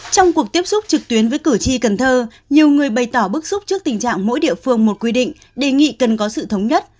trong cuộc tiếp xúc trực tuyến với cử tri cần thơ nhiều người bày tỏ bức xúc trước tình trạng mỗi địa phương một quy định đề nghị cần có sự thống nhất